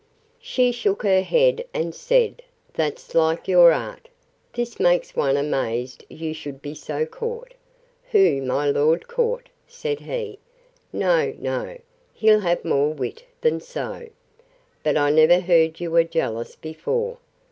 She shook her head, and said, That's like your art!—This makes one amazed you should be so caught!—Who, my lord caught! said he: No, no! he'll have more wit than so! But I never heard you were jealous before.